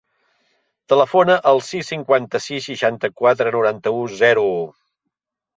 Telefona al sis, cinquanta-sis, seixanta-quatre, noranta-u, zero, u.